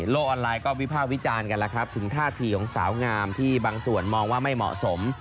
ออนไลน์ก็วิภาควิจารณ์กันแล้วครับถึงท่าทีของสาวงามที่บางส่วนมองว่าไม่เหมาะสม